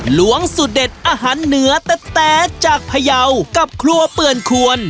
หลวงสุดเด็ดอาหารเหนือแต๊จากพยาวกับครัวเปื่อนควร